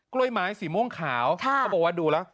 กล้วยมายสีม่วงขาวเขาบอกว่าดูแล๋ระ